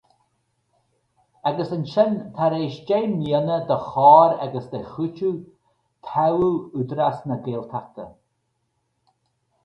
Agus ansin, tar éis deich mbliana de chor agus de chúiteamh toghadh Údarás na Gaeltachta.